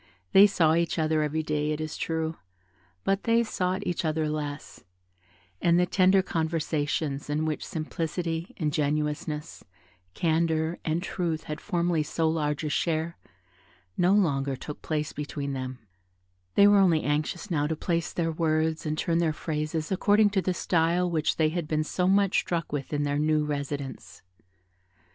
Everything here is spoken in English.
They saw each other every day, it is true, but they sought each other less; and the tender conversations, in which simplicity, ingenuousness, candour, and truth had formerly so large a share, no longer took place between them; they were only anxious now to place their words and turn their phrases according to the style which they had been so much struck with in their new residence.